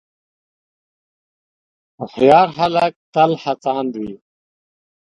هوښیار خلک تل هڅاند وي.